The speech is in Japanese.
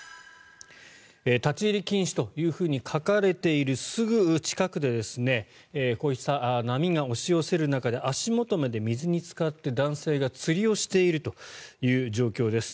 立ち入り禁止と書かれているすぐ近くでこうした波が押し寄せる中で足元まで水につかって男性が釣りをしているという状況です。